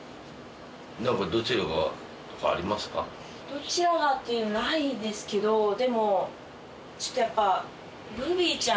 どちらがってないですけどでもちょっとやっぱ。